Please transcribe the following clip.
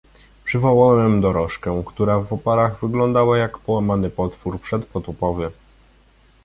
"Przywołałem dorożkę, która w oparach wyglądała jak połamany potwór przedpotopowy."